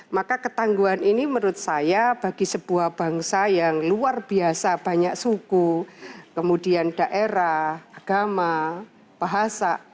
maka ketangguhan ini menurut saya bagi sebuah bangsa yang luar biasa banyak suku kemudian daerah agama bahasa